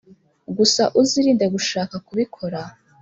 gusa uzirinde gushaka kubikora